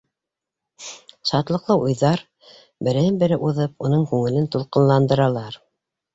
Шатлыҡлы уйҙар, береһен-береһе уҙып, уның күңелен тулҡындыралар.